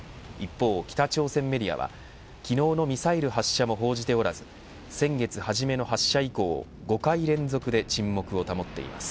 一方北朝鮮メディアは昨日のミサイル発射も報じておらず先月初めの発射以降５回連続で沈黙を保っています。